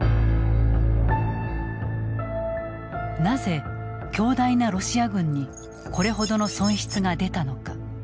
なぜ強大なロシア軍にこれほどの損失が出たのか。